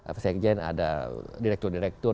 presiden ada direktur direktur